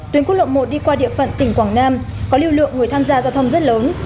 tuyến quốc lộ một đi qua địa phận tỉnh quảng nam có lưu lượng người tham gia giao thông rất lớn